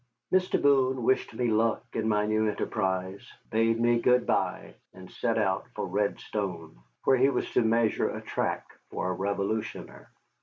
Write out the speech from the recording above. Mr. Boone wished me luck in my new enterprise, bade me good by, and set out for Redstone, where he was to measure a tract for a Revolutioner.